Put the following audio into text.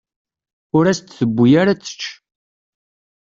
Ur as-d-tewwi ara ad tečč.